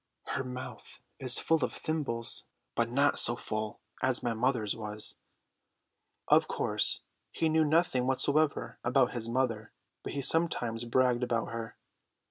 Her mouth is full of thimbles, but not so full as my mother's was." Of course he knew nothing whatever about his mother; but he sometimes bragged about her.